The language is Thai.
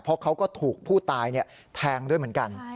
เพราะเขาก็ถูกผู้ตายแทงด้วยเหมือนกัน